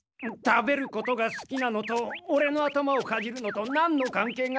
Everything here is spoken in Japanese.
食べることがすきなのとオレの頭をかじるのとなんの関係が。